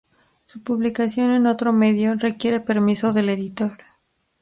Su publicación en otro medio requiere permiso del editor.